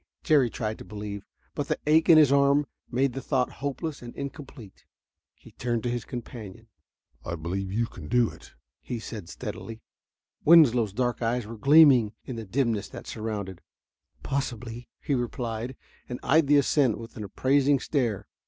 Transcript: Jerry tried to believe, but the ache in his arm made the thought hopeless and incomplete. He turned to his companion. "I believe you can do it," he said steadily. Winslow's dark eyes were gleaming in the dimness that surrounded. "Possibly," he replied, and eyed the ascent with an appraising stare.